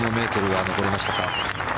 ３４ｍは残りましたか。